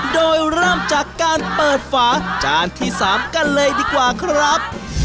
โดยเริ่มจากการเปิดฝาจานที่๓กันเลยดีกว่าครับ